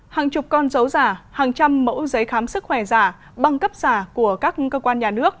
hàng chục con dấu giả hàng trăm mẫu giấy khám sức khỏe giả băng cấp giả của các cơ quan nhà nước